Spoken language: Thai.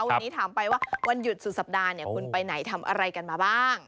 วันนี้ถามไปว่าวันหยุดสุดสัปดาห์เนี่ยคุณไปไหนทำอะไรกันมาบ้าง